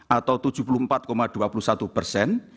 atau tujuh puluh empat dua puluh satu persen